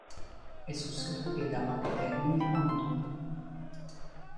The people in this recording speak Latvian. Es uzskatu, ka piedāvātie termiņi ir pamatoti.